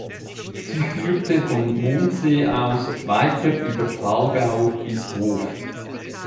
Sie führte von Mondsee aus weiter über Thalgau bis Hof.